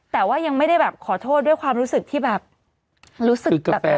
แต่ว่ายังไม่ได้แบบขอโทษด้วยความรู้สึกที่แบบ